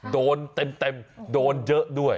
โดนเต็มโดนเยอะด้วย